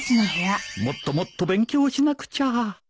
もっともっと勉強しなくちゃ